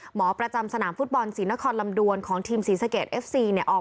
หมอประจำสนามฟุตบอลศรีนครลำดวนของทีมศรีสะเกดเอฟซีเนี่ยออก